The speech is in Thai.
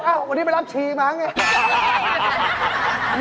เอ้าวันนี้ไปรับชีมาง่ะ